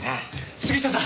杉下さん！